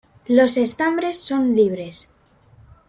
Los estambres son libres.